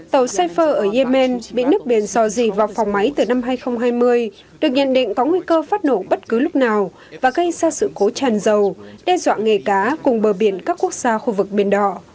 tàu cypher ở yemen bị nước biển dò dì vào phòng máy từ năm hai nghìn hai mươi được nhận định có nguy cơ phát nổ bất cứ lúc nào và gây ra sự cố tràn dầu đe dọa nghề cá cùng bờ biển các quốc gia khu vực biển đỏ